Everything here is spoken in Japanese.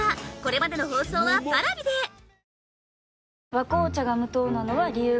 「和紅茶」が無糖なのは、理由があるんよ。